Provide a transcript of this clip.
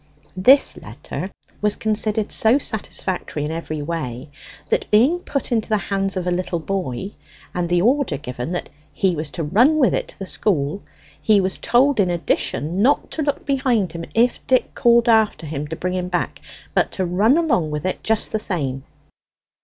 This letter was considered so satisfactory in every way that, being put into the hands of a little boy, and the order given that he was to run with it to the school, he was told in addition not to look behind him if Dick called after him to bring it back, but to run along with it just the same.